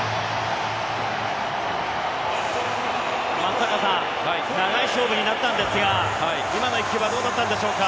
松坂さん、長い勝負になったんですが今の１球はどうだったんでしょうか。